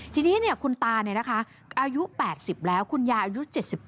ทีนี้คุณตาอายุ๘๐แล้วคุณยายอายุ๗๘